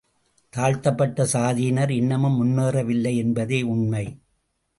தாழ்த்தப்பட்ட சாதியினர் இன்னமும் முன்னேறவில்லை என்பதே உண்மை.